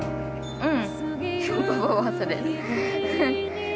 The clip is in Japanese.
うん。